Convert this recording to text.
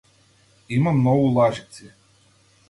Има многу лажици.